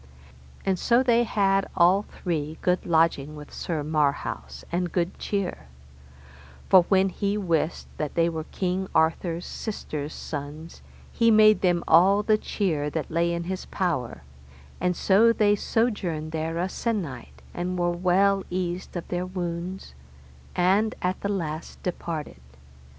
And so they had all three good lodging with Sir Marhaus, and good cheer; for when he wist that they were King Arthur's sister's sons he made them all the cheer that lay in his power, and so they sojourned there a sennight, and were well eased of their wounds, and at the last departed.